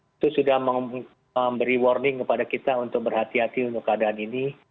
itu sudah memberi warning kepada kita untuk berhati hati untuk keadaan ini